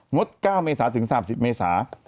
ด๙เมษาถึง๓๐เมษา